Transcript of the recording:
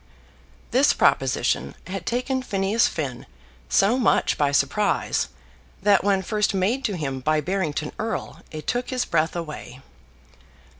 This proposition had taken Phineas Finn so much by surprise that when first made to him by Barrington Erle it took his breath away.